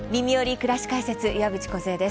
くらし解説」岩渕梢です。